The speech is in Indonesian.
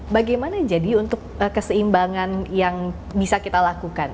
bagaimana jadi untuk keseimbangan yang bisa kita lakukan